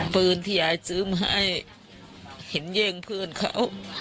ปืนที่ยายซื้อมาให้เห็นแย่งเพื่อนเขา